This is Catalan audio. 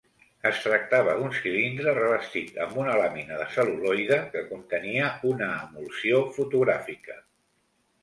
Es tractava d'un cilindre revestit amb una làmina de cel·luloide que contenia una emulsió fotogràfica.